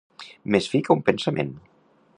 Més fi que un pensament.